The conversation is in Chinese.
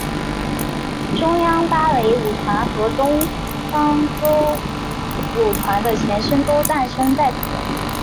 中央芭蕾舞团和东方歌舞团的前身都诞生在此。